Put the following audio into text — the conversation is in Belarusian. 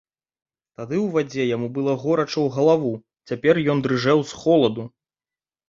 Тады ў вадзе яму было горача ў галаву, цяпер ён дрыжэў з холаду.